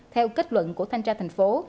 theo kết luận của thanh tra thành phố